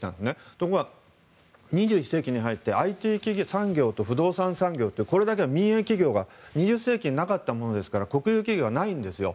ところが、２１世紀に入ってＩＴ産業と不動産産業というこれだけ民営企業が２０世紀にはなかったものですから国有企業がないんですよ。